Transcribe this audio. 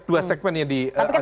dua segmen yang diajukan